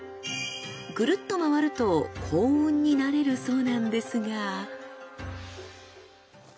グルっと回ると幸運になれるそうなんですが。